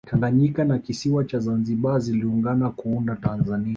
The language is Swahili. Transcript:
tanganyika na kisiwa cha zanzibar ziliungana kuunda tanzania